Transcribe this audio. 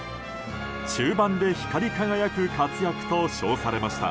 中盤で光り輝く活躍と称されました。